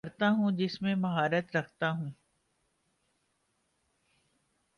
وہ کرتا ہوں جس میں مہارت رکھتا ہو